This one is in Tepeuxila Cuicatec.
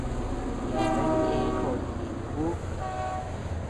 Yeabean ndee joʼoy jiy ú.